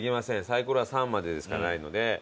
サイコロは「３」までしかないので。